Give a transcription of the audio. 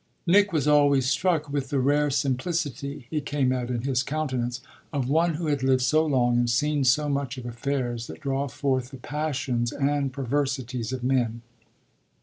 Nick was always struck with the rare simplicity it came out in his countenance of one who had lived so long and seen so much of affairs that draw forth the passions and perversities of men.